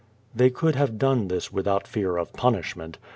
They could have done this without fear of punishment.